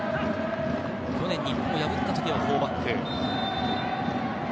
去年、日本を破った時は４バックでした。